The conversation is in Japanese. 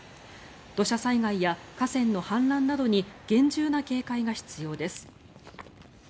土砂災害や河川の氾濫などに厳重な警戒が必要です。